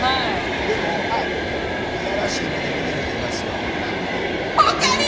でもいやらしい目で見ている人いますよ。